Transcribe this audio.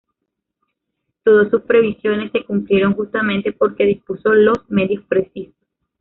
Todas sus previsiones se cumplieron, justamente porque dispuso los medios precisos.